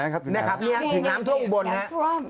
นะครับถึงน้ำท่วมอุบนนี่